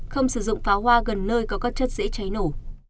không sử dụng pháo hoa gần nơi có các chất dễ cháy nổ